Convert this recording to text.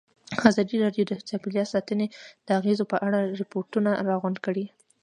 ازادي راډیو د چاپیریال ساتنه د اغېزو په اړه ریپوټونه راغونډ کړي.